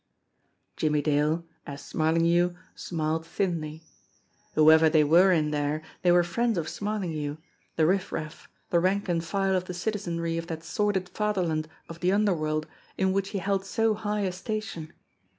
Jimmie Dale, as Smarlinghue, smiled thinly. Whoever they were in there, they were friends of Smarlinghue, the riff raff, the rank and file of the citizenry of that sordid fatherland of the underworld in which he held so high a station!